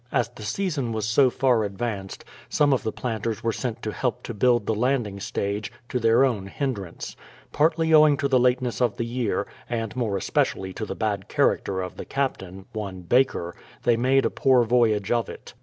As the season was so far advanced, some of the THE PLYMOUTH SETTLEMENT 143 planters were sent to help to build the landing stage, to their own hindrance. Partly owing to the lateness of the year, and more especially to the bad character of the captain, one Baker, they made a poor voyage of it.